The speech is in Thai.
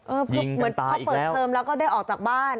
เหมือนพอเปิดเทอมแล้วก็ได้ออกจากบ้าน